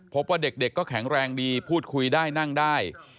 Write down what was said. พบว่าเด็กก็แข็งแรงดีพูดคุยได้นั่งได้